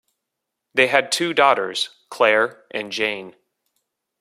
They had two daughters, Clare and Jane.